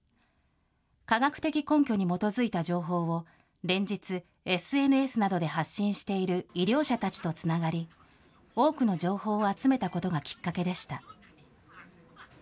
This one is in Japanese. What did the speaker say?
科学的根拠に基づいた情報を、連日ＳＮＳなどで発信している医療者たちとつながり、多くの情報を集めたことがきっかけでした。